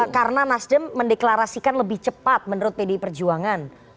karena nasdem mendeklarasikan lebih cepat menurut pd perjuangan